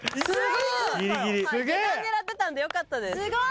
下段狙ってたんでよかったです。